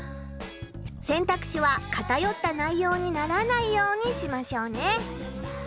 選択肢はかたよった内ようにならないようにしましょうね。